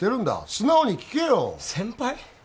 素直に聞けよ先輩？